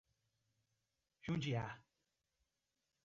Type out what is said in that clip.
Jundiá